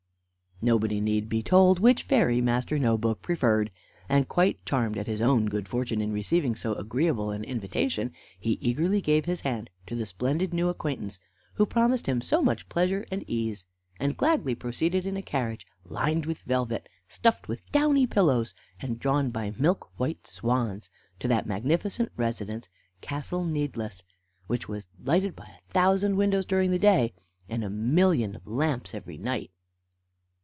Nobody need be told which fairy Master No book preferred, and quite charmed at his own good fortune in receiving so agreeable an invitation, he eagerly gave his hand to the splendid new acquaintance who promised him so much pleasure and ease, and gladly proceeded in a carriage lined with velvet, stuffed with downy pillows, and drawn by milk white swans, to that magnificent residence, Castle Needless, which was lighted by a thousand windows during the day, and by a million of lamps every night.